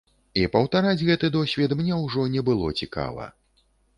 І паўтараць гэты досвед мне ўжо не было цікава.